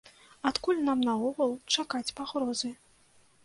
Адкуль нам наогул чакаць пагрозы?